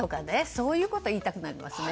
そういうことを言いたくなりますね。